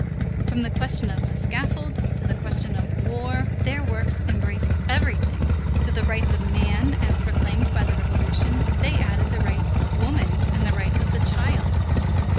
From the question of the scaffold to the question of war, their works embraced everything. To the rights of man, as proclaimed by the French Revolution, they added the rights of woman and the rights of the child.